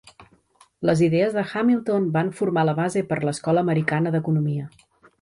Les idees de Hamilton van formar la base per a l'"Escola Americana" d'economia.